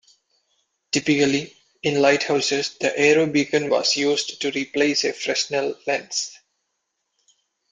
Typically, in lighthouses the Aerobeacon was used to replace a Fresnel lens.